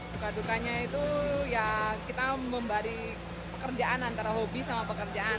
duka dukanya itu ya kita membari pekerjaan antara hobi sama pekerjaan